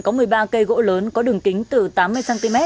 có một mươi ba cây gỗ lớn có đường kính từ tám mươi cm